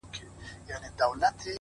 هره لاسته راوړنه د لومړي ګام پور لري